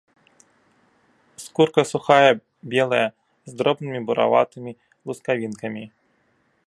Скурка сухая, белая, з дробнымі бураватымі лускавінкамі.